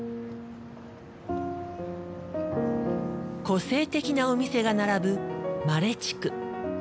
個性的なお店が並ぶマレ地区。